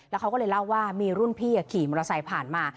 เขาก็เลยเล่าว่ามีรุ่นพี่ขี่มอเตอร์ไซค์ผ่านมา